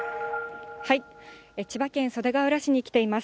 千葉県袖ケ浦市に来ています。